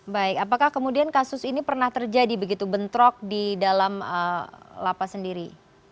baik apakah kemudian kasus ini pernah terjadi begitu bentrok di dalam lapas sendiri